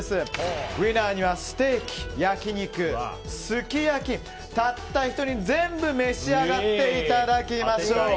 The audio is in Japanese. ウィナーにはステーキ、焼き肉、すき焼きたった１人で全部召し上がっていただきましょう。